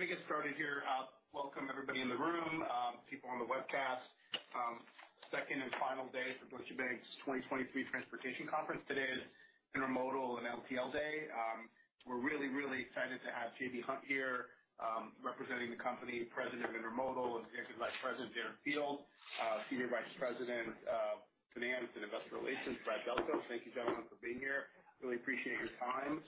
We're going to get started here. Welcome everybody in the room, people on the webcast. Second and final day for Deutsche Bank's 2023 Transportation Conference. Today is Intermodal and LTL Day. We're really, really excited to have J.B. Hunt here, representing the company, President of Intermodal and Executive Vice President, Darren Field, Senior Vice President of Finance and Investor Relations, Brad Delco. Thank you, gentlemen, for being here. Really appreciate your time.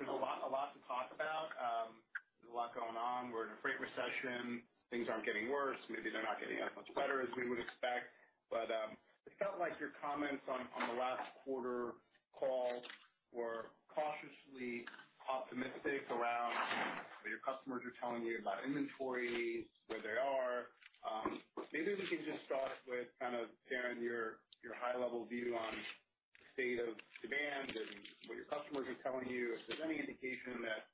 There's a lot, a lot to talk about. There's a lot going on. We're in a freight recession. Things aren't getting worse. Maybe they're not getting much better as we would expect, but it felt like your comments on the last quarter call were cautiously optimistic around what your customers are telling you about inventory, where they are. Maybe we can just start with kind of, Darren, your, your high-level view on the state of demand and what your customers are telling you, if there's any indication that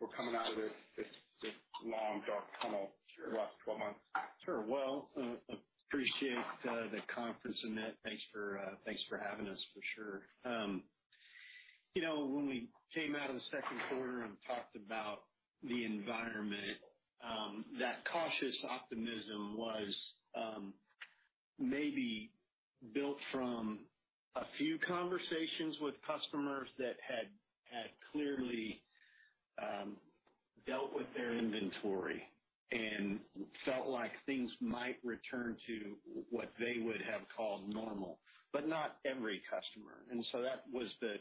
we're coming out of this, this, this long, dark tunnel? Sure. The last 12 months. Sure. Well, appreciate the conference, Amit. Thanks for thanks for having us, for sure. You know, when we came out of the second quarter and talked about the environment, that cautious optimism was maybe built from a few conversations with customers that had, had clearly dealt with their inventory and felt like things might return to what they would have called normal, but not every customer. That was the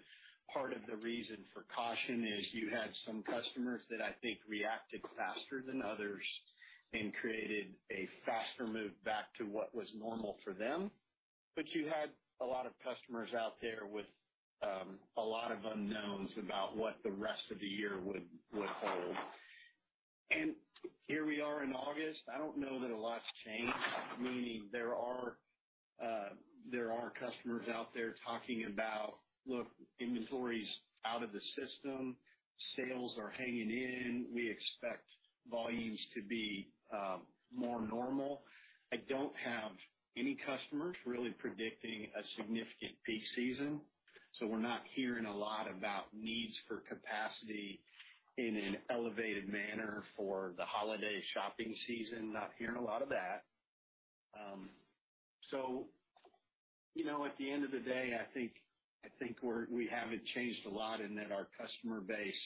part of the reason for caution, is you had some customers that I think reacted faster than others and created a faster move back to what was normal for them. You had a lot of customers out there with a lot of unknowns about what the rest of the year would, would hold. Here we are in August. I don't know that a lot's changed, meaning there are customers out there talking about, look, inventory's out of the system, sales are hanging in. We expect volumes to be more normal. I don't have any customers really predicting a significant peak season, so we're not hearing a lot about needs for capacity in an elevated manner for the holiday shopping season. Not hearing a lot of that. You know, at the end of the day, I think, I think we haven't changed a lot in that our customer base,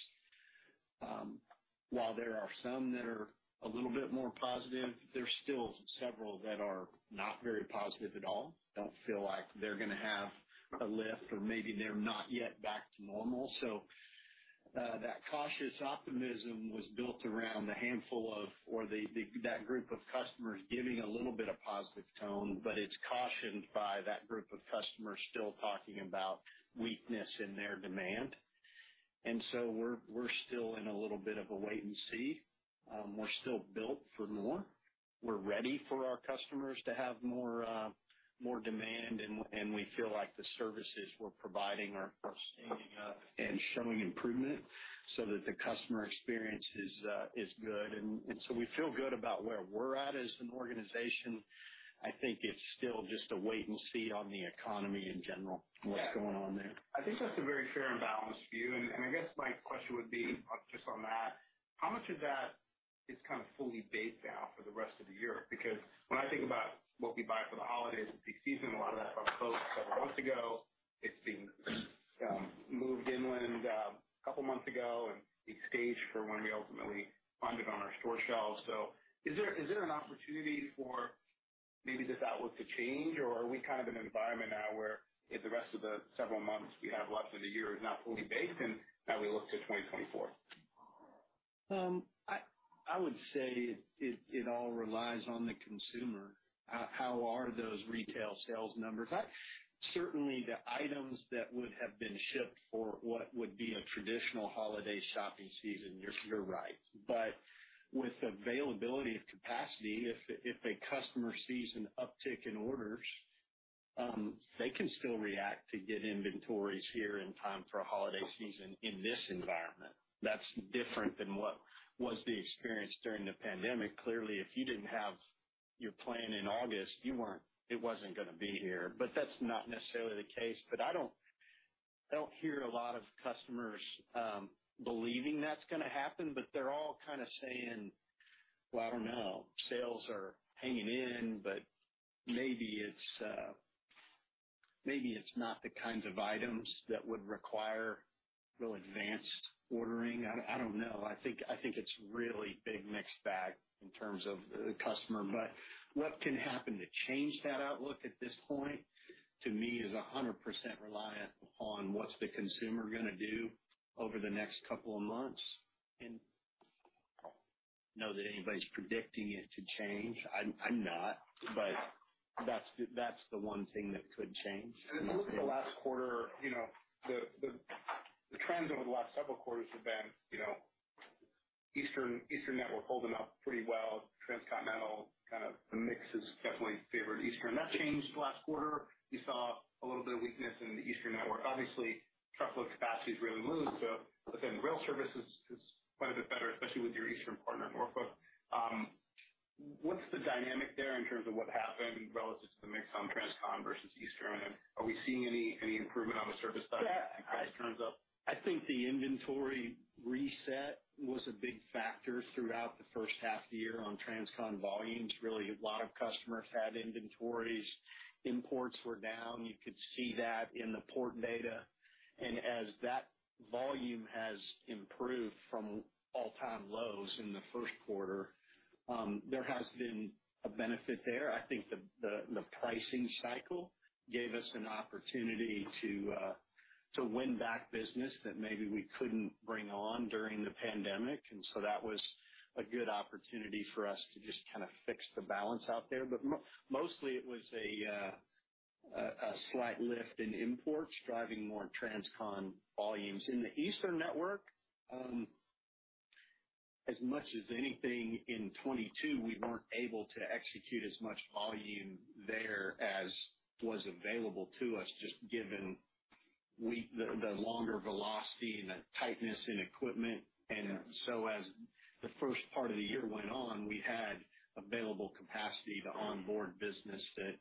while there are some that are a little bit more positive, there's still several that are not very positive at all, don't feel like they're going to have a lift, or maybe they're not yet back to normal. That cautious optimism was built around a handful of, or the, the, that group of customers giving a little bit of positive tone, but it's cautioned by that group of customers still talking about weakness in their demand. We're, we're still in a little bit of a wait and see. We're still built for more. We're ready for our customers to have more, more demand. We feel like the services we're providing are, are standing up and showing improvement so that the customer experience is, is good. We feel good about where we're at as an organization. I think it's still just a wait and see on the economy in general. Yeah. What's going on there. I think that's a very fair and balanced view. I guess my question would be, just on that, how much of that is kind of fully baked now for the rest of the year? Because when I think about what we buy for the holidays, the season, a lot of that got closed several months ago. It's been moved inland, a couple months ago, and it's staged for when we ultimately find it on our store shelves. Is there, is there an opportunity for maybe this outlook to change, or are we kind of in an environment now where if the rest of the several months we have left of the year is not fully baked, and now we look to 2024? I would say it all relies on the consumer. How are those retail sales numbers? Certainly, the items that would have been shipped for what would be a traditional holiday shopping season, you're right. With availability of capacity, if a customer sees an uptick in orders, they can still react to get inventories here in time for a holiday season in this environment. That's different than what was the experience during the pandemic. Clearly, if you didn't have your plan in August, it wasn't going to be here. That's not necessarily the case. I don't hear a lot of customers believing that's going to happen, but they're all kind of saying, "Well, I don't know. Sales are hanging in, but maybe it's, maybe it's not the kinds of items that would require real advanced ordering." I, I don't know. I think, I think it's a really big mixed bag in terms of the customer, but what can happen to change that outlook at this point, to me, is 100% reliant upon what's the consumer going to do over the next couple of months. Know that anybody's predicting it to change, I'm, I'm not, but that's the, that's the one thing that could change. Looking at the last quarter, you know, the, the, the trends over the last several quarters have been, you know, eastern, eastern network holding up pretty well. Transcontinental, kind of the mix has definitely favored eastern. That changed last quarter. You saw a little bit of weakness in the eastern network. Obviously, truckload capacity has really moved, so, within the rail services is quite a bit better, especially with your eastern partner, Norfolk. What's the dynamic there in terms of what happened relative to the mix on transcon versus Eastern? Are we seeing any, any improvement on the service side in terms of. I think the inventory reset was a big factor throughout the first half of the year on transcon volumes. Really, a lot of customers had inventories. Imports were down. You could see that in the port data. As that volume has improved from all-time lows in the first quarter, there has been a benefit there. I think the pricing cycle gave us an opportunity to win back business that maybe we couldn't bring on during the pandemic, so that was a good opportunity for us to just kind of fix the balance out there. Mostly it was a slight lift in imports, driving more transcon volumes. In the Eastern network, as much as anything, in 2022, we weren't able to execute as much volume there as was available to us, just given we the longer velocity and the tightness in equipment. As the first part of the year went on, we had available capacity to onboard business that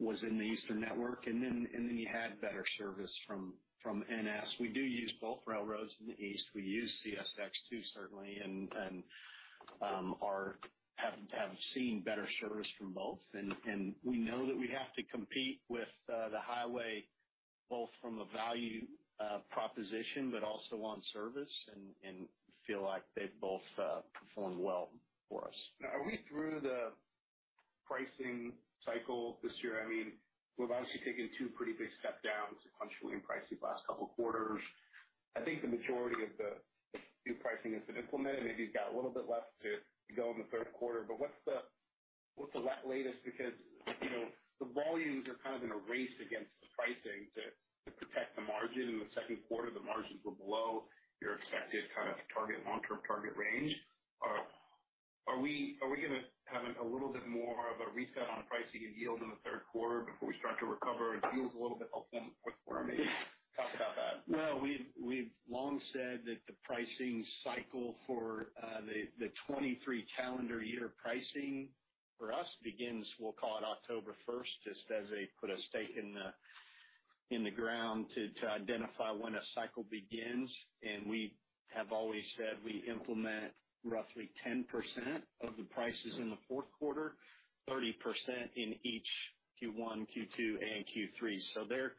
was in the Eastern network. You had better service from NS. We do use both railroads in the East. We use CSX, too, certainly, and are have seen better service from both. We know that we have to compete with the highway, both from a value proposition, but also on service, and feel like they've both performed well for us. Are we through the pricing cycle this year? I mean, we've obviously taken two pretty big step downs sequentially in pricing the last couple of quarters. I think the majority of the new pricing has been implemented, and you've got a little bit left to go in the third quarter. What's the latest? Because, you know, the volumes are kind of in a race against the pricing to, to protect the margin. In the second quarter, the margins were below your expected kind of target, long-term target range. Are we gonna have a little bit more of a reset on pricing and yield in the third quarter before we start to recover? Yield is a little bit of them before. Maybe talk about that. Well, we've, we've long said that the pricing cycle for the 2023 calendar year pricing for us begins, we'll call it October 1st, just as a put a stake in the, in the ground to, to identify when a cycle begins. We have always said we implement roughly 10% of the prices in the fourth quarter, 30% in each Q1, Q2, and Q3. There,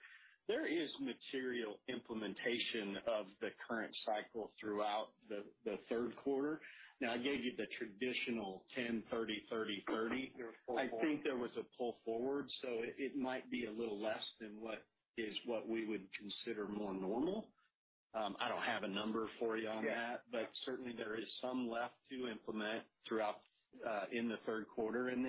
there is material implementation of the current cycle throughout the, the third quarter. I gave you the traditional 10, 30, 30, 30. There was pull forward. I think there was a pull forward, it, it might be a little less than what is what we would consider more normal. I don't have a number for you on that. Yeah. Certainly, there is some left to implement throughout in the third quarter. Then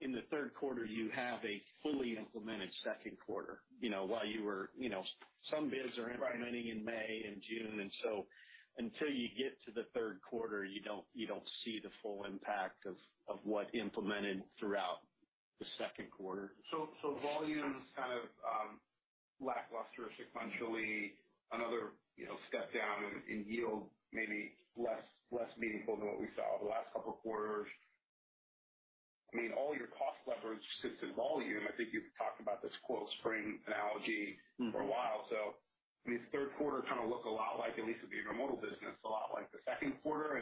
in the third quarter, you have a fully implemented second quarter. You know, while you know, some bids are implementing in May and June, until you get to the third quarter, you don't, you don't see the full impact of what implemented throughout the second quarter. Volumes kind of lackluster sequentially, another, you know, step down in yield, maybe less, less meaningful than what we saw over the last couple of quarters. I mean, all your cost leverage sits in volume. I think you've talked about this quote spring analogy for a while. Mm-hmm. These third quarter kind of look a lot like, at least the intermodal business, a lot like the second quarter.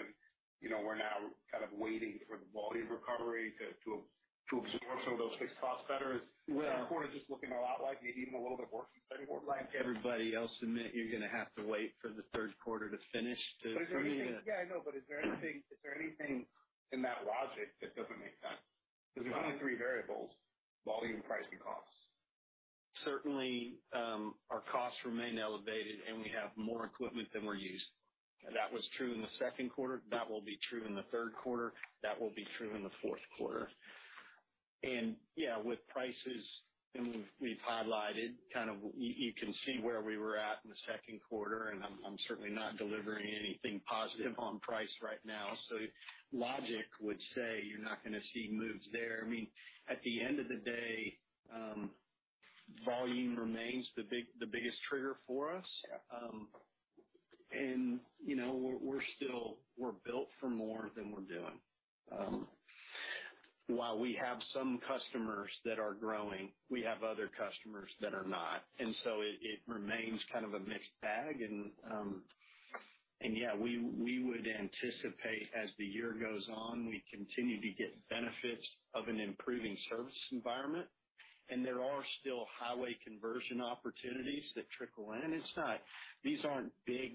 You know, we're now kind of waiting for the volume recovery to, to, to absorb some of those fixed costs better. Well- Third quarter is just looking a lot like, maybe even a little bit worse than before, like... Everybody else admit you're gonna have to wait for the third quarter to finish. Yeah, I know, is there anything, is there anything in that logic that doesn't make sense? There's only three variables: volume, pricing, costs. Certainly, our costs remain elevated, and we have more equipment than we're using. That was true in the second quarter. That will be true in the third quarter. That will be true in the fourth quarter. Yeah, with prices, and we've, we've highlighted, kind of, you, you can see where we were at in the second quarter, and I'm, I'm certainly not delivering anything positive on price right now. Logic would say you're not gonna see moves there. I mean, at the end of the day, volume remains the big, the biggest trigger for us. Yeah. You know, we're, we're still. We're built for more than we're doing. While we have some customers that are growing, we have other customers that are not, and so it, it remains kind of a mixed bag. Yeah, we, we would anticipate as the year goes on, we continue to get benefits of an improving service environment. There are still highway conversion opportunities that trickle in. It's not. These aren't big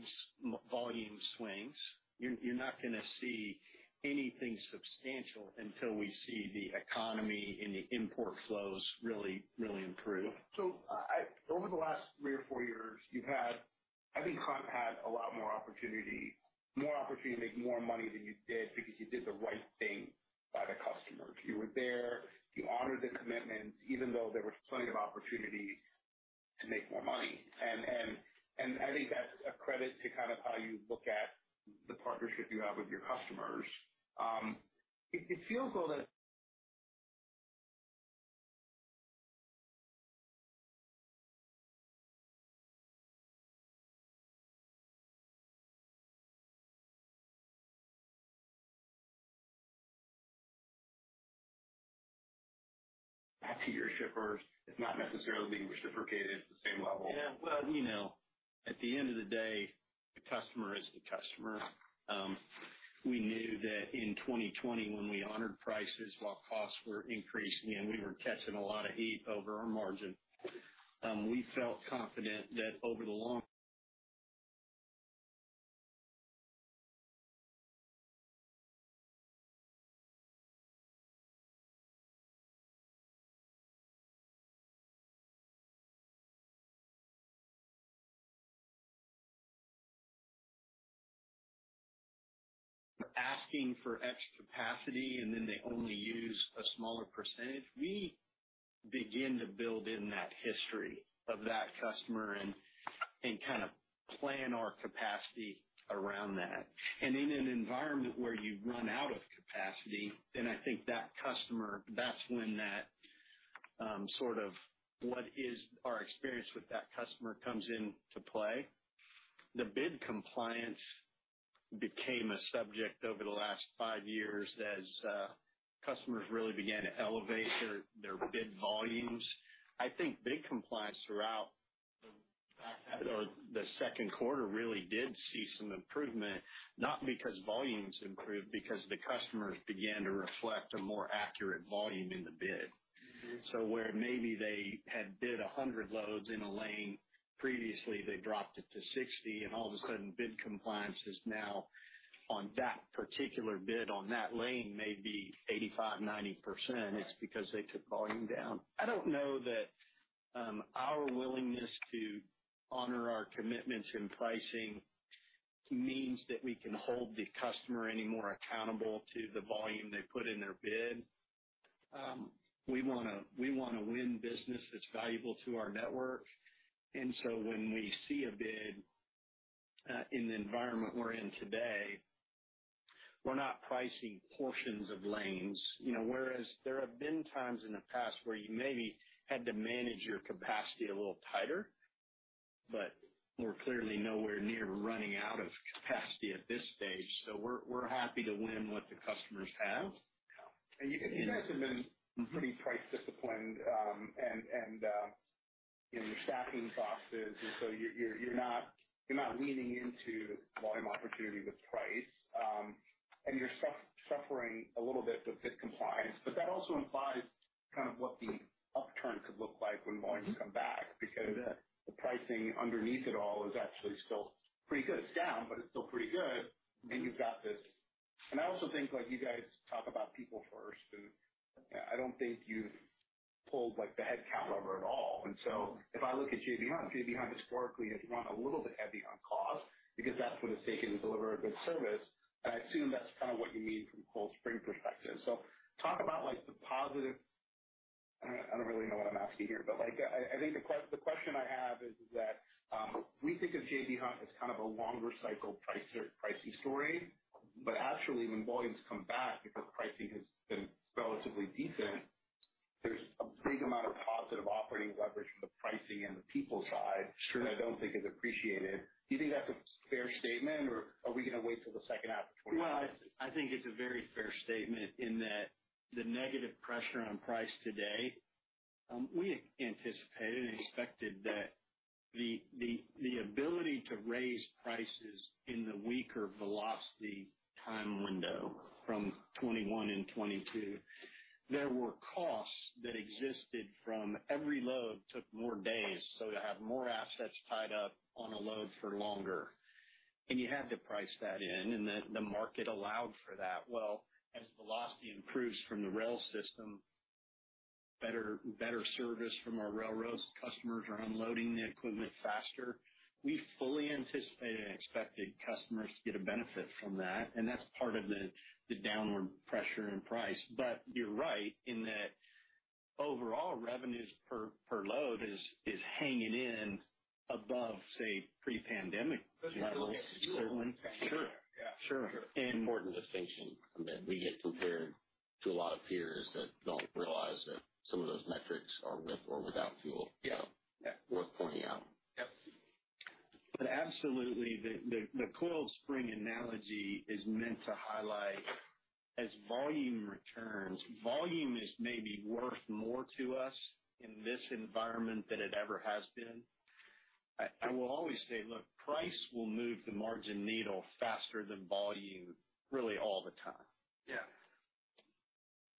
volume swings. You're, you're not gonna see anything substantial until we see the economy and the import flows really, really improve. Over the last three or four years, you've had, I think, kind of had a lot more opportunity, more opportunity to make more money than you did because you did the right thing by the customers. You were there, you honored the commitments, even though there was plenty of opportunity to make more money. I think that's a credit to kind of how you look at the partnership you have with your customers. It, it feels, though, that-... Back to your shippers, it's not necessarily reciprocated at the same level. Well, you know, at the end of the day, the customer is the customer. We knew that in 2020, when we honored prices while costs were increasing, and we were catching a lot of heat over our margin. We felt confident that over the long-. Asking for extra capacity, and then they only use a smaller percentage, we begin to build in that history of that customer and kind of plan our capacity around that. In an environment where you run out of capacity, then I think that customer, that's when that sort of what is our experience with that customer comes into play. The bid compliance became a subject over the last five years as customers really began to elevate their bid volumes. I think bid compliance throughout the back half or the second quarter really did see some improvement, not because volumes improved, because the customers began to reflect a more accurate volume in the bid. Where maybe they had bid 100 loads in a lane previously, they dropped it to 60, all of a sudden, bid compliance is now on that particular bid on that lane, maybe 85%-90%. Right. It's because they took volume down. I don't know that our willingness to honor our commitments in pricing means that we can hold the customer any more accountable to the volume they put in their bid. We wanna win business that's valuable to our network, when we see a bid in the environment we're in today, we're not pricing portions of lanes, you know. There have been times in the past where you maybe had to manage your capacity a little tighter, we're clearly nowhere near running out of capacity at this stage, we're happy to win what the customers have. You guys have been pretty price disciplined, and, you know, your staffing costs is... You're not leaning into volume opportunity with price, and you're suffering a little bit with bid compliance. That also implies kind of what the upturn could look like when volumes come back. Because the pricing underneath it all is actually still pretty good. It's down, but it's still pretty good. You've got this... I also think, like, you guys talk about people first, and I don't think you've pulled, like, the headcount lever at all. If I look at J.B. Hunt, J.B. Hunt historically has run a little bit heavy on cost because that's what it's taken to deliver a good service, and I assume that's kind of what you mean from a coil spring perspective. Talk about, like, the positive... I, I don't really know what I'm asking here, but, like, I, I think the question I have is that, we think of J.B. Hunt as kind of a longer cycle pricer, pricing story. Actually, when volumes come back, because pricing has been relatively decent, there's a big amount of positive operating leverage from the pricing and the people side- Sure. -that I don't think is appreciated. Do you think that's a fair statement, or are we going to wait till the second half of 2025? Well, I think it's a very fair statement in that the negative pressure on price today, we anticipated and expected that the, the, the ability to raise prices in the weaker velocity time window from 2021 and 2022, there were costs that existed from every load took more days, so to have more assets tied up on a load for longer, and you had to price that in, and then the market allowed for that. Well, as velocity improves from the rail system, better, better service from our railroads, customers are unloading the equipment faster. We fully anticipated and expected customers to get a benefit from that, and that's part of the, the downward pressure and price. You're right in that overall revenues per, per load is, is hanging in above, say, pre-pandemic levels. Certainly. Sure. Yeah. Sure. Sure. Important distinction that we get compared to a lot of peers that don't realize that some of those metrics are with or without fuel. Yeah. Yeah. Worth pointing out. Yep. Absolutely, the, the, the coil spring analogy is meant to highlight, as volume returns, volume is maybe worth more to us in this environment than it ever has been. I, I will always say, look, price will move the margin needle faster than volume, really, all the time. Yeah.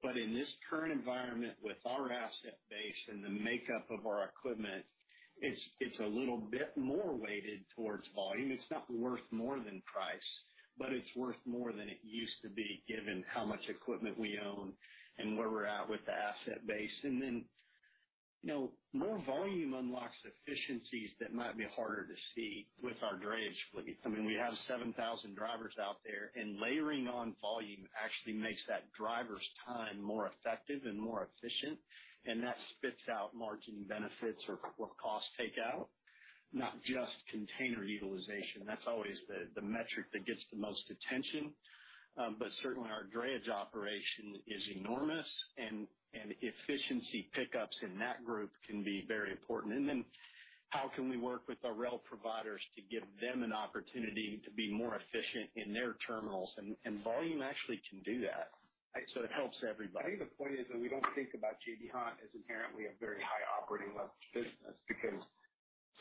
In this current environment, with our asset base and the makeup of our equipment, it's, it's a little bit more weighted towards volume. It's not worth more than price, but it's worth more than it used to be, given how much equipment we own and where we're at with the asset base. You know, more volume unlocks efficiencies that might be harder to see with our drayage fleet. I mean, we have 7,000 drivers out there, and layering on volume actually makes that driver's time more effective and more efficient, and that spits out margin benefits or, or cost take out, not just container utilization. That's always the, the metric that gets the most attention. Certainly our drayage operation is enormous, and, and efficiency pickups in that group can be very important. How can we work with our rail providers to give them an opportunity to be more efficient in their terminals? Volume actually can do that. It helps everybody. I think the point is that we don't think about J.B. Hunt as inherently a very high operating leverage business, because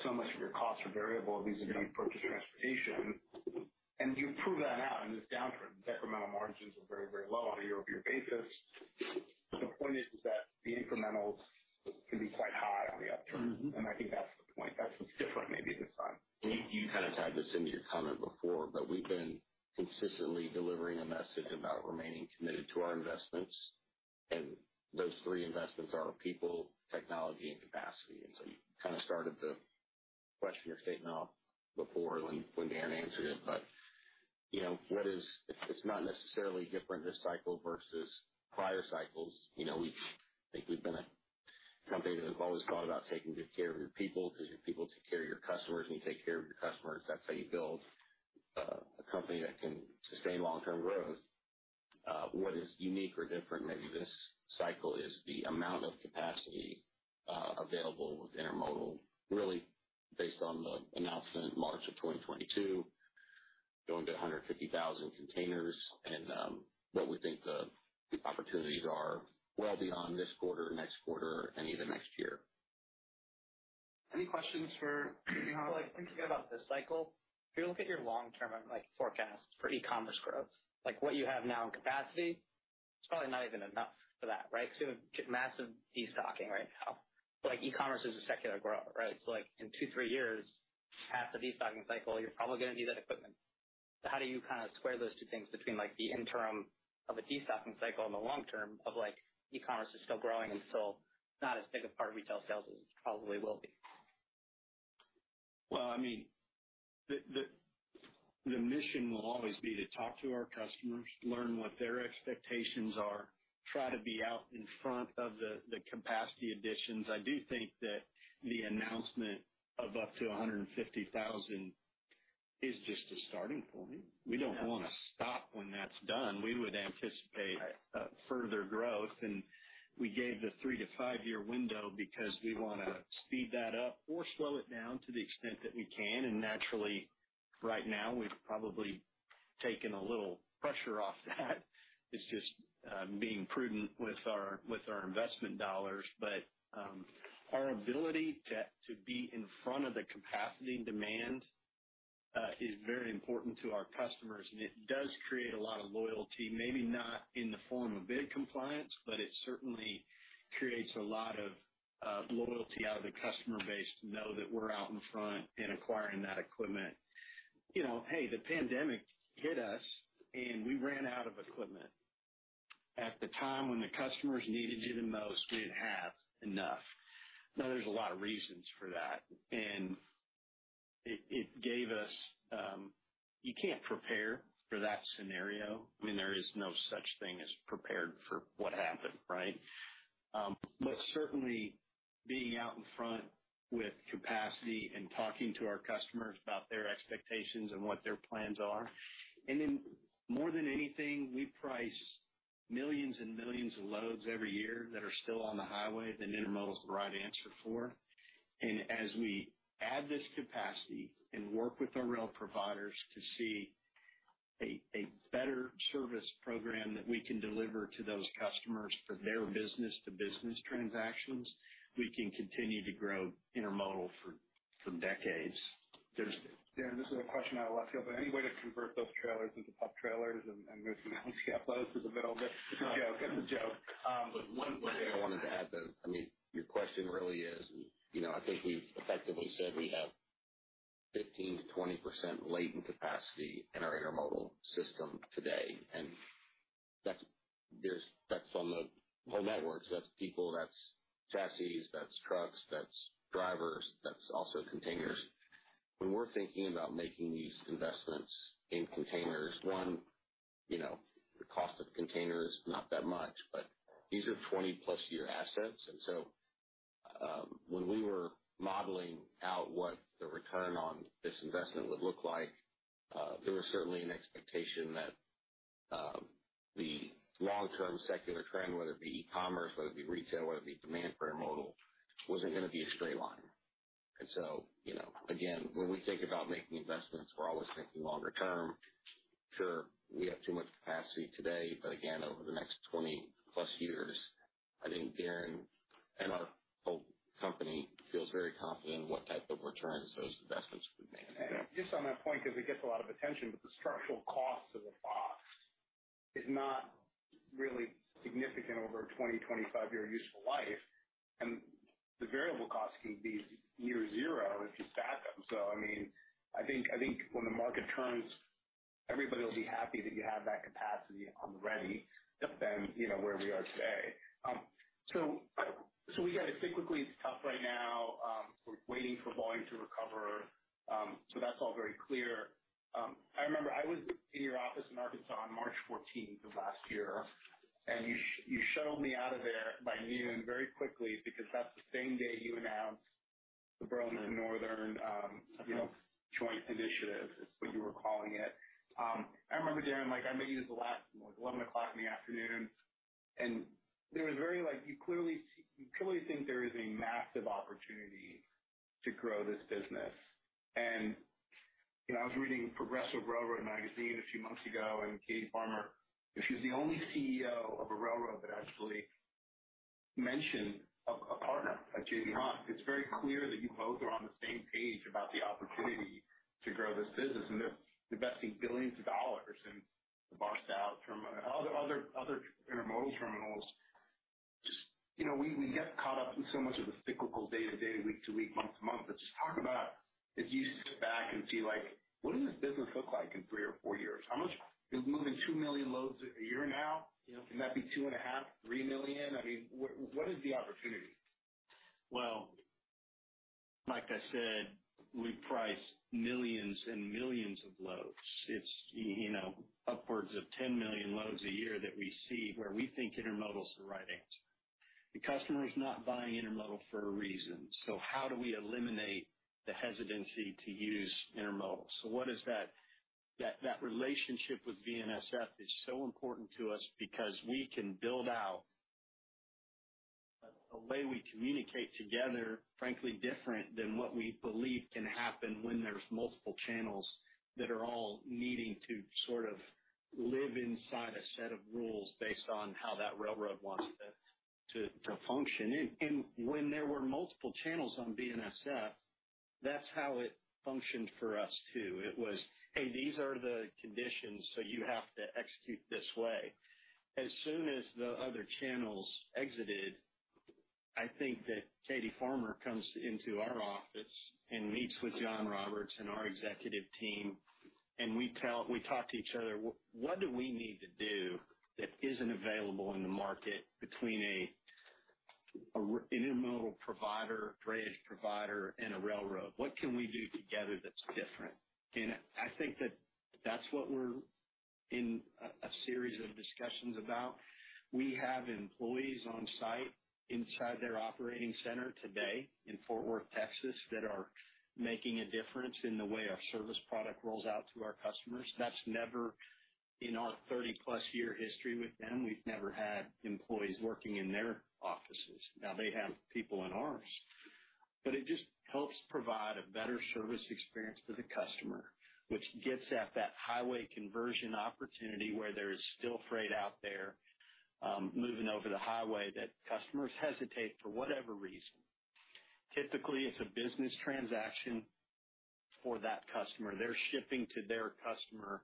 so much of your costs are variable, at least if you purchase transportation. You prove that out in this downturn. Incremental margins are very, very low on a year-over-year basis. The point is that the incrementals can be quite high on the upturn. Mm-hmm. I think that's the point. That's what's different maybe this time. You, you kind of had this in your comment before, we've been consistently delivering a message about remaining committed to our investments. Those three investments are people, technology, and capacity. You kind of started the question or statement off before when, when Darren answered it, you know, It's, it's not necessarily different this cycle versus prior cycles. You know, we think we've been a company that has always thought about taking good care of your people, because your people take care of your customers, and you take care of your customers. That's how you build a company that can sustain long-term growth. What is unique or different, maybe this cycle, is the amount of capacity available with intermodal, really based on the announcement in March of 2022, going to 150,000 containers, and what we think the opportunities are well beyond this quarter, next quarter, and even next year. Any questions for J.B. Hunt? Well, I think about this cycle, if you look at your long-term, like, forecasts for e-commerce growth, like what you have now in capacity, it's probably not even enough for that, right? Massive destocking right now. Like, e-commerce is a secular growth, right? Like in two, three years, half the destocking cycle, you're probably going to need that equipment. How do you kind of square those two things between, like, the interim of a destocking cycle and the long term of, like, e-commerce is still growing and still not as big a part of retail sales as it probably will be? Well, I mean, the, the, the mission will always be to talk to our customers, learn what their expectations are, try to be out in front of the, the capacity additions. I do think that the announcement of up to 150,000 is just a starting point. We don't want to stop when that's done. We would anticipate. Right. further growth, and we gave the three to five-year window because we wanna speed that up or slow it down to the extent that we can. Naturally, right now, we've probably taken a little pressure off that. It's just being prudent with our, with our investment dollars. Our ability to, to be in front of the capacity demand is very important to our customers, and it does create a lot of loyalty, maybe not in the form of bid compliance, but it certainly creates a lot of, of loyalty out of the customer base to know that we're out in front and acquiring that equipment. You know, hey, the pandemic hit us, and we ran out of equipment. At the time when the customers needed you the most, we didn't have enough. There's a lot of reasons for that, and it, it gave us. You can't prepare for that scenario. I mean, there is no such thing as prepared for what happened, right? Certainly, being out in front with capacity and talking to our customers about their expectations and what their plans are. More than anything, we price millions and millions of loads every year that are still on the highway, that intermodal is the right answer for. As we add this capacity and work with our rail providers to see a better service program that we can deliver to those customers for their business-to-business transactions, we can continue to grow intermodal for some decades. There's. Yeah, this is a question out of left field, but any way to convert those trailers into pup trailers and move some ocean loads to the middle of it? It's a joke. It's a joke. One thing I wanted to add, though, I mean, your question really is, you know, I think we've effectively said we have 15%-20% latent capacity in our intermodal system today, and that's, there's-- that's on the whole networks, that's people, that's chassis, that's trucks, that's drivers, that's also containers. When we're thinking about making these investments in containers, one, you know, the cost of containers, not that much, but these are 20+ year assets. When we were modeling out what the return on this investment would look like, there was certainly an expectation that, the long-term secular trend, whether it be e-commerce, whether it be retail, whether it be demand for intermodal, wasn't going to be a straight line. You know, again, when we think about making investments, we're always thinking longer term. Sure, we have too much capacity today, but again, over the next 20+ years, I think Darren and our whole company feels very confident in what type of returns those investments would make. Just on that point, because it gets a lot of attention, but the structural cost of the box is not really significant over a 20, 25-year useful life, and the variable costs can be year zero if you stack them. I mean, I think, I think when the market turns, everybody will be happy that you have that capacity on the ready than, you know, where we are today. So, so we get it. Sequentially, it's tough right now. We're waiting for volume to recover. So that's all very clear. I remember I was in your office in Arkansas on March 14th of last year, and you shuttled me out of there by noon very quickly because that's the same day you announced the BNSF Northern, you know, joint initiative is what you were calling it. I remember, Darren, I met you the last, 11:00 in the afternoon, there was very, you clearly think there is a massive opportunity to grow this business. You know, I was reading Progressive Railroading a few months ago, Kathryn Farmer, she's the only CEO of a railroad that actually mentioned a partner like J.B. Hunt. It's very clear that you both are on the same page about the opportunity to grow this business, they're investing billions of dollars in box out from other, other, other intermodal terminals. Just, you know, we, we get caught up in so much of the cyclical day to day, week to week, month to month, but just talk about if you sit back and see, what does this business look like in three or four years? How much... You're moving two million loads a year now. Yeah. Can that be 2.5, three million? I mean, what, what is the opportunity? Well, like I said, we price millions and millions of loads. It's, you know, upwards of 10 million loads a year that we see where we think intermodal is the right answer. The customer is not buying intermodal for a reason. How do we eliminate the hesitancy to use intermodal? That relationship with BNSF is so important to us because we can build out a way we communicate together, frankly, different than what we believe can happen when there's multiple channels that are all needing to sort of live inside a set of rules based on how that railroad wants it to, to function. When there were multiple channels on BNSF, that's how it functioned for us, too. It was, "Hey, these are the conditions, so you have to execute this way." Soon as the other channels exited, I think that Kathryn Farmer comes into our office and meets with John Roberts and our executive team. We talk to each other. What do we need to do that isn't available in the market between an intermodal provider, drayage provider, and a railroad? What can we do together that's different? I think that that's what we're in a series of discussions about. We have employees on site inside their operating center today in Fort Worth, Texas, that are making a difference in the way our service product rolls out to our customers. That's never in our 30+ year history with them, we've never had employees working in their offices. Now they have people in ours. It just helps provide a better service experience for the customer, which gets at that highway conversion opportunity where there is still freight out there, moving over the highway, that customers hesitate for whatever reason. Typically, it's a business transaction for that customer. They're shipping to their customer,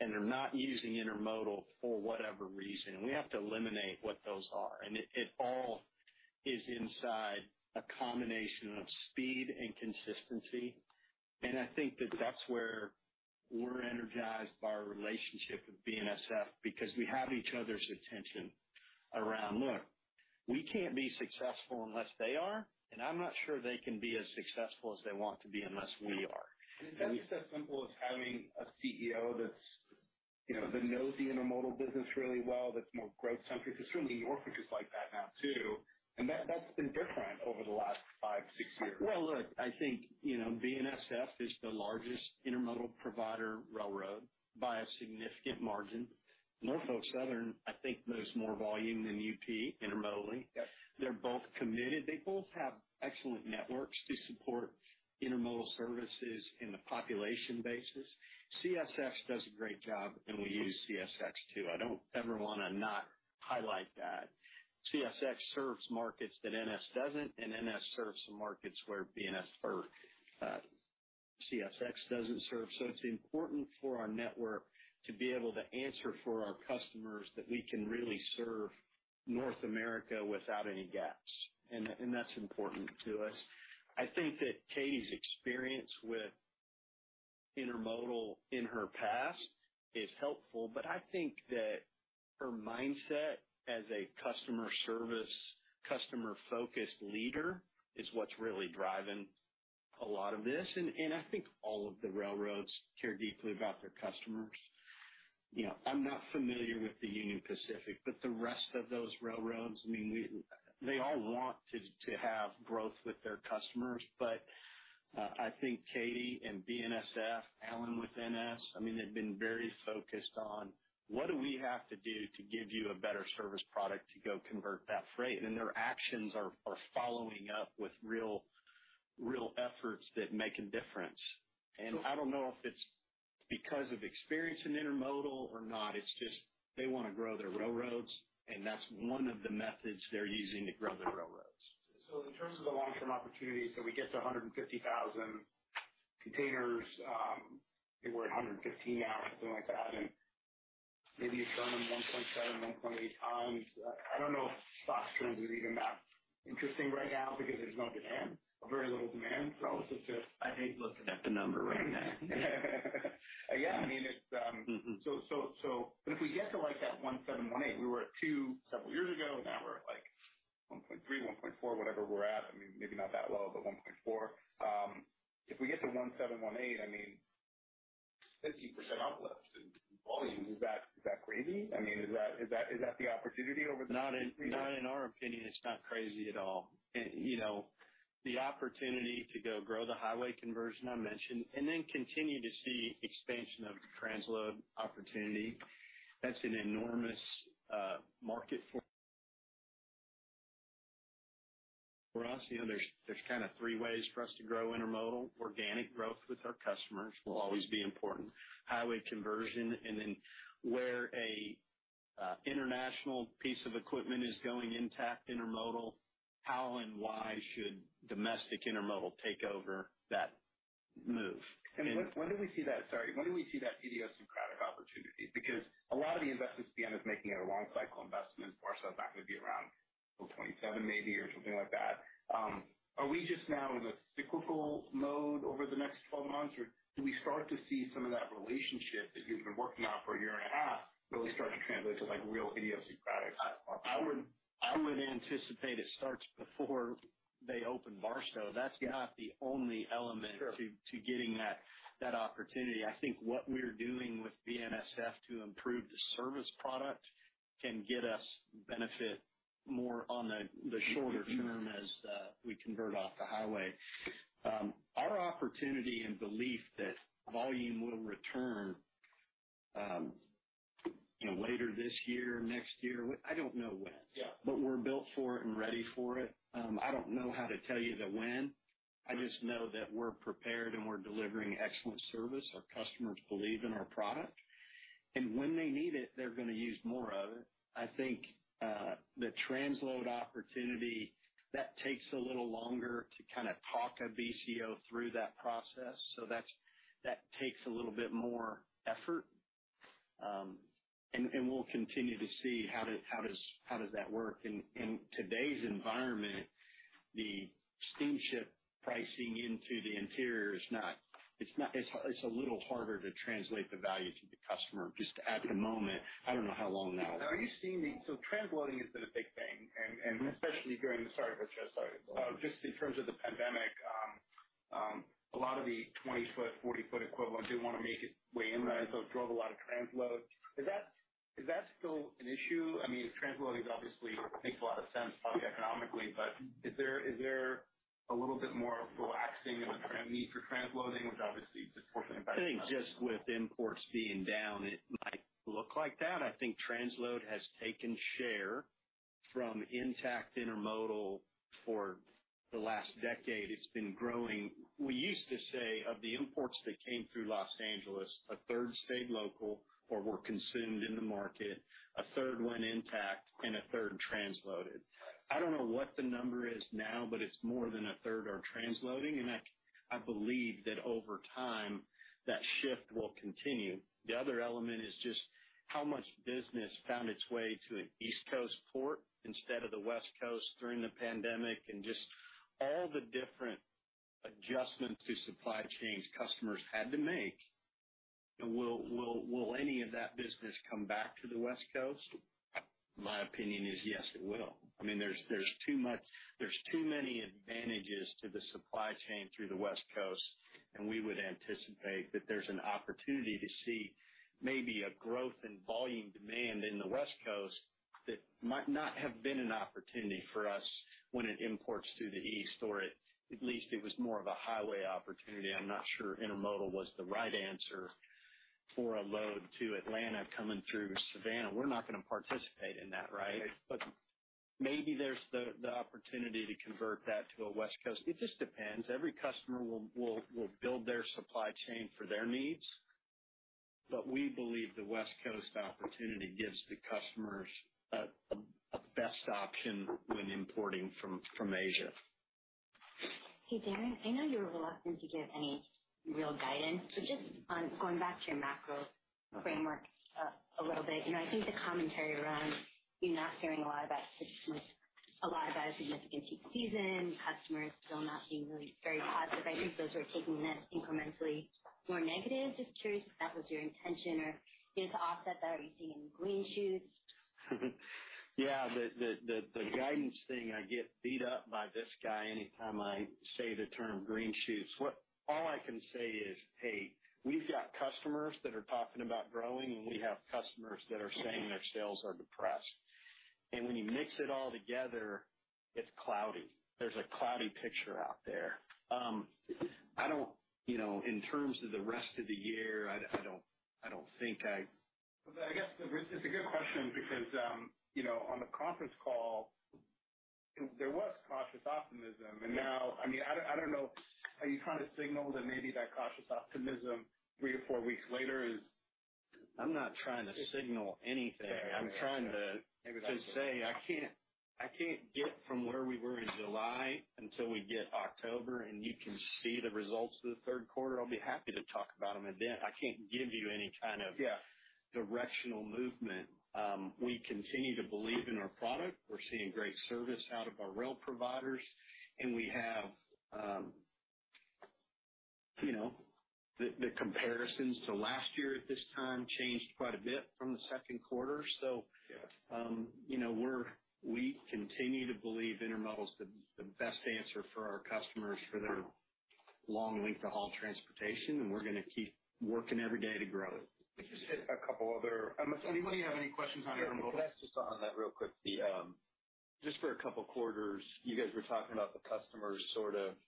and they're not using intermodal for whatever reason. We have to eliminate what those are, and it, it all is inside a combination of speed and consistency. I think that that's where we're energized by our relationship with BNSF, because we have each other's attention around, "Look, we can't be successful unless they are, and I'm not sure they can be as successful as they want to be unless we are. Is that just as simple as having a CEO that's, you know, that knows the intermodal business really well, that's more growth centric? Certainly, Norfolk is like that now, too, and that's been different over the last five, six years. Well, look, I think, you know, BNSF is the largest intermodal provider railroad by a significant margin. Norfolk Southern, I think, moves more volume than UP intermodally. Yep. They're both committed. They both have excellent networks to support intermodal services in the population bases. CSX does a great job, and we use CSX, too. I don't ever want to not highlight that. CSX serves markets that NS doesn't, and NS serves some markets where BNSF, or CSX doesn't serve. It's important for our network to be able to answer for our customers that we can really serve North America without any gaps. That's important to us. I think that Katie's experience with intermodal in her past is helpful, but I think that her mindset as a customer service, customer-focused leader is what's really driving a lot of this. I think all of the railroads care deeply about their customers. You know, I'm not familiar with the Union Pacific, but the rest of those railroads, I mean, they all want to, to have growth with their customers. I think Katie and BNSF, Alan, with NS, I mean, they've been very focused on: What do we have to do to give you a better service product to go convert that freight? Their actions are, are following up with real, real efforts that make a difference. I don't know if it's because of experience in intermodal or not. It's just they want to grow their railroads, and that's one of the methods they're using to grow their railroads. In terms of the long-term opportunities, so we get to 150,000 containers, I think we're at 115 now or something like that, and maybe you've done them 1.7x, 1.8x. I, I don't know if stock trends is even that interesting right now because there's no demand or very little demand for all this to-. I hate looking at the number right now. Yeah, I mean, it's. Mm-hmm. But if we get to, like, that 1.7, 1.8, we were at two several years ago, now we're at, like, 1.3, 1.4, whatever we're at, I mean, maybe not that low, but 1.4. If we get to 1.7, 1.8, I mean, 50% uplift in volume. Is that, is that crazy? I mean, is that, is that, is that the opportunity over the? Not in, not in our opinion, it's not crazy at all. You know, the opportunity to go grow the highway conversion I mentioned, and then continue to see expansion of the transload opportunity, that's an enormous market for, for us. You know, there's, there's kind of three ways for us to grow intermodal. Organic growth with our customers will always be important. Highway conversion, and then where a international piece of equipment is going intact intermodal, how and why should domestic intermodal take over that move? Sorry. When do we see that idiosyncratic opportunity? Because a lot of the investments BNSF is making are long cycle investments, Barstow not going to be around till 2027 maybe, or something like that. Are we just now in a cyclical mode over the next 12 months, or do we start to see some of that relationship that you've been working on for 1.5 years, really start to translate to, like, real idiosyncratic opportunities? I would anticipate it starts before they open Barstow. That's not the only element- Sure. To getting that opportunity. I think what we're doing with BNSF to improve the service product can get us benefit more on the shorter term. Sure. As we convert off the highway. Our opportunity and belief that volume will return, you know, later this year, next year, I don't know when. Yeah. We're built for it and ready for it. I don't know how to tell you the when, I just know that we're prepared and we're delivering excellent service. Our customers believe in our product, and when they need it, they're going to use more of it. I think the transload opportunity, that takes a little longer to kind of talk a BCO through that process. That's. That takes a little bit more effort. We'll continue to see how does, how does, how does that work? In today's environment, the steamship pricing into the interior is not. It's a little harder to translate the value to the customer, just at the moment. I don't know how long that will last. Transloading has been a big thing. Mm-hmm. especially during the... Sorry, Richard, sorry. Just in terms of the pandemic, a lot of the 20 ft, 40 ft equivalent didn't want to make it way in, and so it drove a lot of transload. Is that, is that still an issue? I mean, transloading obviously makes a lot of sense, probably economically, but is there, is there a little bit more relaxing of the need for transloading, which obviously disproportionately impacts- I think just with imports being down, it might look like that. I think transload has taken share from intact intermodal for the last decade, it's been growing. We used to say, of the imports that came through Los Angeles, a third stayed local or were consumed in the market, a third went intact, and a third transloaded. I don't know what the number is now, but it's more than a third are transloading, and I, I believe that over time, that shift will continue. The other element is just how much business found its way to an East Coast port instead of the West Coast during the pandemic, and just all the different adjustments to supply chains customers had to make. Will, will, will any of that business come back to the West Coast? My opinion is, yes, it will. I mean, there's, there's too many advantages to the supply chain through the West Coast. We would anticipate that there's an opportunity to see maybe a growth in volume demand in the West Coast that might not have been an opportunity for us when it imports through the East, or at least it was more of a highway opportunity. I'm not sure intermodal was the right answer for a load to Atlanta coming through Savannah. We're not going to participate in that, right? Right. Maybe there's the, the opportunity to convert that to a West Coast. It just depends. Every customer will, will, will build their supply chain for their needs, but we believe the West Coast opportunity gives the customers a, a, a best option when importing from, from Asia. Hey, Darren, I know you're reluctant to give any real guidance, so just on... Going back to your macro framework, a little bit, you know, I think the commentary around you not hearing a lot about Christmas, a lot about a significant peak season, customers still not being really very positive. I think those are taking that incrementally more negative. Just curious if that was your intention, or just to offset that, are you seeing green shoots? Yeah, the guidance thing, I get beat up by this guy anytime I say the term "green shoots." What. All I can say is, hey, we've got customers that are talking about growing, and we have customers that are saying their sales are depressed. When you mix it all together, it's cloudy. There's a cloudy picture out there. I don't, you know, in terms of the rest of the year, I don't, I don't think I- I guess, it's, it's a good question because, you know, on the conference call, there was cautious optimism, and now. I mean, I don't, I don't know, are you trying to signal that maybe that cautious optimism, three or four weeks later, is-. I'm not trying to signal anything. Yeah. I'm trying to- Maybe just. to say, I can't, I can't get from where we were in July until we get October. You can see the results of the third quarter, I'll be happy to talk about them then. I can't give you any kind of- Yeah -Directional movement. We continue to believe in our product. We're seeing great service out of our rail providers. We have, you know, the, the comparisons to last year at this time changed quite a bit from the second quarter. Yeah. You know, we continue to believe intermodal is the, the best answer for our customers, for their long length of haul transportation. We're going to keep working every day to grow it. Let's just hit a couple other. Anybody have any questions on intermodal? Can I just on, on that real quick? The, just for a couple of quarters, you guys were talking about the customers sort of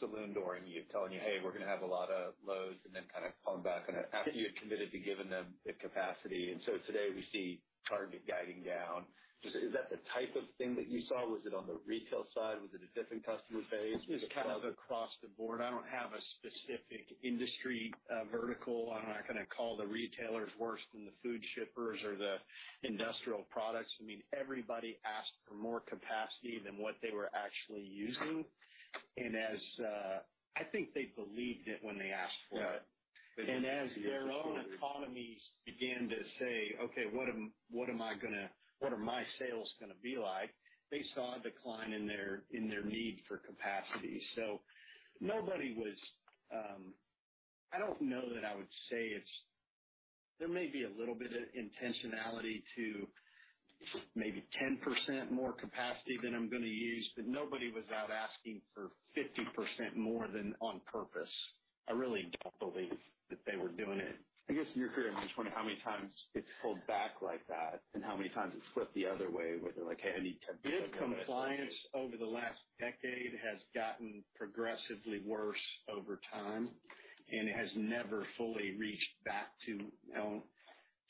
saloon-dooring you, telling you, "Hey, we're going to have a lot of loads," and then kind of pulling back on it after you had committed to giving them the capacity. Today we see Target guiding down. Just, is that the type of thing that you saw? Was it on the retail side? Was it a different customer base? It's kind of across the board. I don't have a specific industry, vertical. I'm not going to call the retailers worse than the food shippers or the industrial products. I mean, everybody asked for more capacity than what they were actually using. As... I think they believed it when they asked for it. Yeah. As their own economies began to say, "Okay, what am I gonna-- what are my sales gonna be like?" They saw a decline in their, in their need for capacity. Nobody was. I don't know that I would say it's. There may be a little bit of intentionality to maybe 10% more capacity than I'm going to use, but nobody was out asking for 50% more than on purpose. I really don't believe that they were doing it. I guess you're curious, I'm just wondering how many times it's pulled back like that and how many times it's flipped the other way, where they're like, "Hey, I need to- Bid compliance over the last decade has gotten progressively worse over time, and it has never fully reached back to, you know,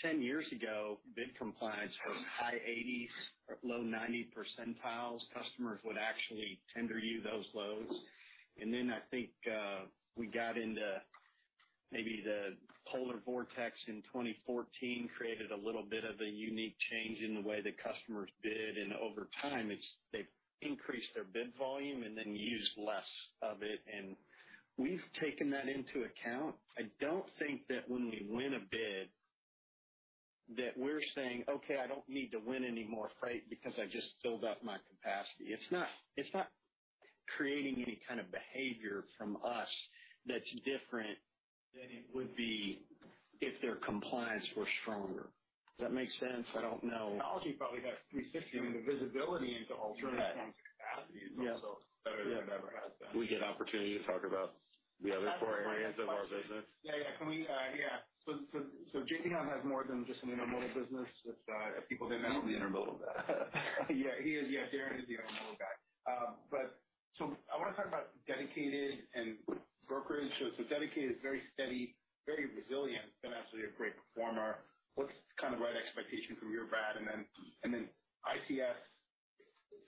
10 years ago, bid compliance was high 80s, low 90 percentiles. Customers would actually tender you those loads. Then I think we got into maybe the polar vortex in 2014, created a little bit of a unique change in the way the customers bid, and over time, they've increased their bid volume and then used less of it, and we've taken that into account. I don't think that when we win a bid, that we're saying: Okay, I don't need to win any more freight because I just filled up my capacity. It's not, it's not creating any kind of behavior from us that's different than it would be if their compliance were stronger. Does that make sense? I don't know. Technology probably has 360, and the visibility into alternative capacity is also better than it ever has been. We get opportunity to talk about the other four areas of our business. Yeah, yeah. Yeah. J.B. Hunt has more than just an intermodal business that, if people didn't know. I'm the intermodal guy. Yeah, he is. Yeah, Darren is the intermodal guy. I want to talk about dedicated and brokerage. Dedicated is very steady, very resilient, been actually a great performer. What's kind of right expectation from your Brad, and then, and then ICS,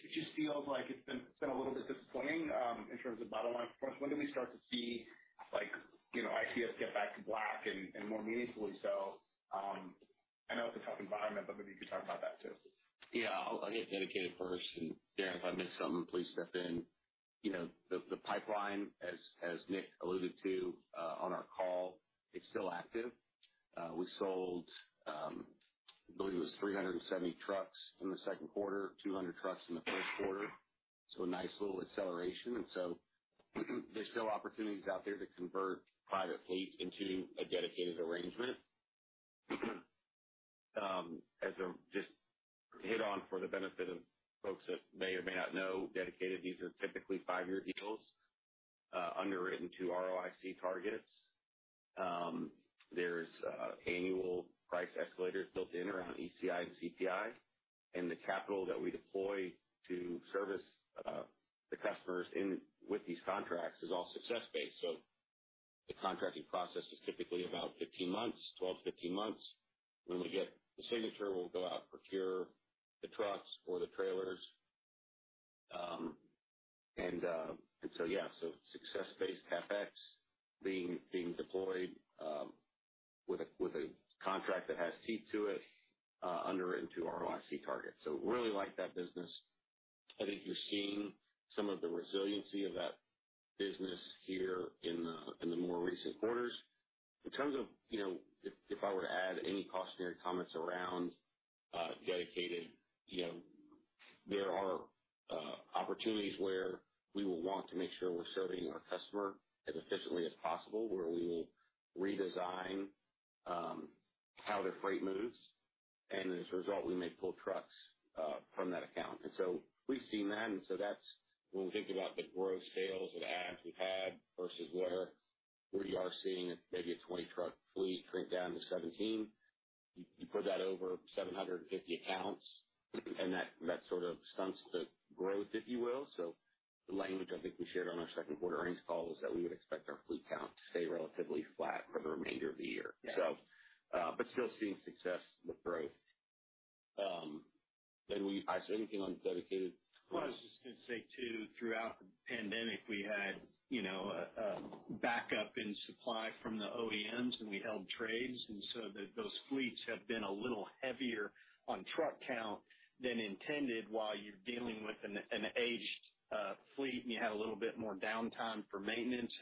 it just feels like it's been, it's been a little bit disappointing, in terms of bottom line performance? When do we start to see, like, you know, ICS get back to black and, and more meaningfully so? I know it's a tough environment, but maybe you could talk about that, too. Yeah, I'll hit dedicated first, and Darren, if I miss something, please step in. You know, the, the pipeline, as, as Nick alluded to, on our call, is still active. We sold, I believe it was 370 trucks in the second quarter, 200 trucks in the first quarter. A nice little acceleration. There's still opportunities out there to convert private fleet into a dedicated arrangement. As a just hit on for the benefit of folks that may or may not know, dedicated, these are typically five-year deals, underwritten to ROIC targets. There's annual price escalators built in around ECI and CPI, and the capital that we deploy to service the customers in with these contracts is all success-based. The contracting process is typically about 15 months, 12-15 months. When we get the signature, we'll go out and procure the trucks or the trailers. Yeah, so success-based CapEx being, being deployed, with a, with a contract that has teeth to it, underwritten to ROIC targets. Really like that business. I think you're seeing some of the resiliency of that business here in the, in the more recent quarters. In terms of, you know, if, if I were to add any cautionary comments around dedicated, you know, there are opportunities where we will want to make sure we're serving our customer as efficiently as possible, where we will redesign how their freight moves, and as a result, we may pull trucks from that account. We've seen that, and so that's when we think about the gross sales and adds we've had versus where we are seeing maybe a 20 truck fleet shrink down to 17. You put that over 750 accounts, and that sort of stunts the growth, if you will. The language I think we shared on our second quarter earnings call was that we would expect our fleet count to stay relatively flat for the remainder of the year. Yeah. But still seeing success with growth. We... Is there anything on dedicated? Well, I was just going to say, too, throughout the pandemic, we had, you know, a, a backup in supply from the OEMs, and we held trades, and so those fleets have been a little heavier on truck count than intended while you're dealing with an, an aged fleet, and you had a little bit more downtime for maintenance.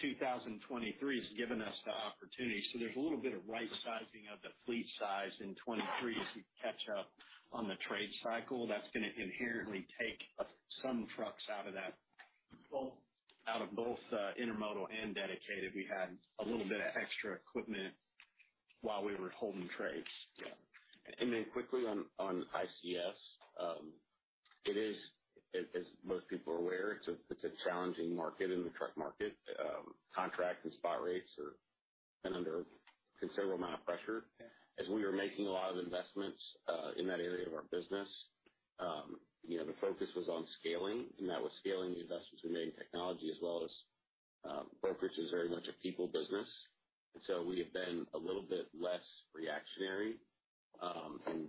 2023 has given us the opportunity. There's a little bit of right-sizing of the fleet size in 2023 as we catch up on the trade cycle. That's going to inherently take some trucks out of that. Well, out of both, intermodal and dedicated, we had a little bit of extra equipment...... While we were holding trades. Yeah. Then quickly on, on ICS, it is, as, as most people are aware, it's a, it's a challenging market in the truck market. Contract and spot rates are been under a considerable amount of pressure. Yeah. As we were making a lot of investments, in that area of our business, you know, the focus was on scaling, and that was scaling the investments we made in technology as well as, brokerage is very much a people business. We have been a little bit less reactionary, and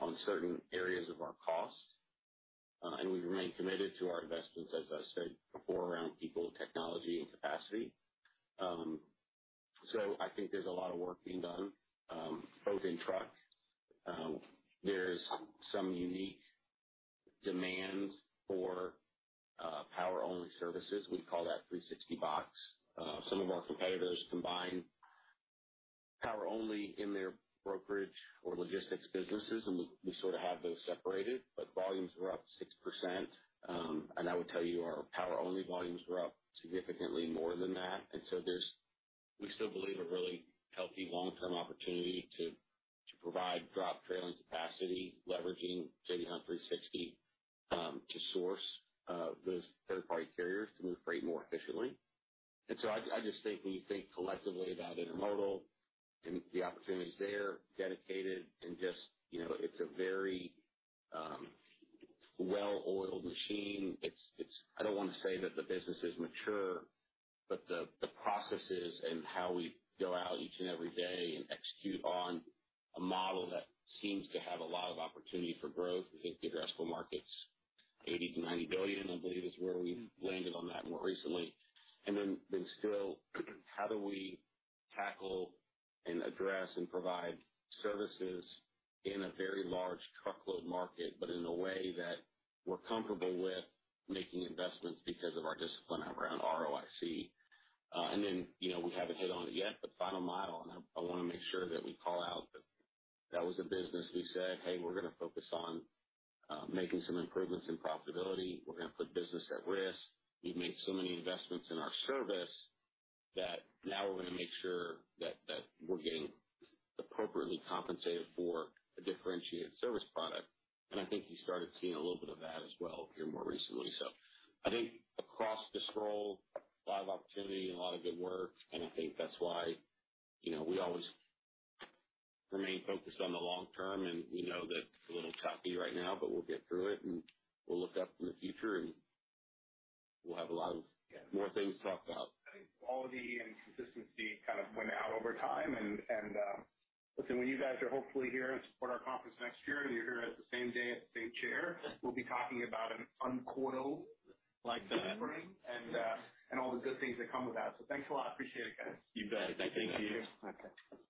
on certain areas of our cost. We remain committed to our investments, as I said before, around people, technology, and capacity. I think there's a lot of work being done, both in truck. There's some unique demands for power-only services. We call that 360box. Some of our competitors combine power only in their brokerage or logistics businesses, and we, we sort of have those separated, but volumes were up 6%. I would tell you, our power-only volumes were up significantly more than that. There's, we still believe, a really healthy long-term opportunity to, to provide drop trailer and capacity, leveraging J.B. Hunt 360, to source those third-party carriers to move freight more efficiently. I, I just think when you think collectively about intermodal and the opportunities there, dedicated and just, you know, it's a very well-oiled machine. It's, it's, I don't want to say that the business is mature, but the, the processes and how we go out each and every day and execute on a model that seems to have a lot of opportunity for growth. We think the addressable market's $80 billion-$90 billion, I believe, is where we landed on that more recently. Then, then still, how do we tackle and address and provide services in a very large truckload market, but in a way that we're comfortable with making investments because of our discipline around ROIC? Then, you know, we haven't hit on it yet, but final mile, and I, I want to make sure that we call out that that was a business we said, "Hey, we're going to focus on, making some improvements in profitability. We're going to put business at risk." We've made so many investments in our service, that now we're going to make sure that, that we're getting appropriately compensated for a differentiated service product. I think you started seeing a little bit of that as well here more recently. I think across the scroll, a lot of opportunity and a lot of good work, and I think that's why, you know, we always remain focused on the long term, and we know that it's a little choppy right now, but we'll get through it, and we'll look up in the future, and we'll have a lot of more things to talk about. I think quality and consistency kind of went out over time. Listen, when you guys are hopefully here and support our conference next year, and you're here at the same day, at the same chair, we'll be talking about an uncoiled- Like that. spring, and all the good things that come with that. Thanks a lot. Appreciate it, guys. You bet. Thank you. Thank you. Okay.